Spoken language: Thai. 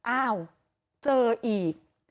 อ้าวเจออีก